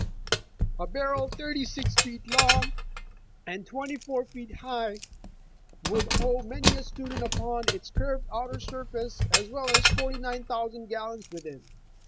A barrel thirty six feet long, and twenty four feet high would 23 The Original John Jacob Astor hold many a student upon its curved outer surface, aa well as forty nine thousand gallons within.